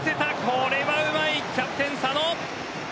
これはうまい、キャプテン佐野。